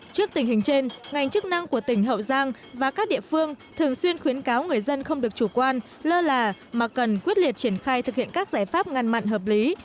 trước tình hình trên ngành chức năng của tỉnh hậu giang và các địa phương thường xuyên khuyến cáo người dân không được chủ quan lơ là mà cần quyết liệt triển khai thực hiện các giải pháp ngăn mặn hợp lý